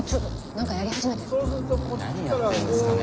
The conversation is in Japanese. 何やってんですかね？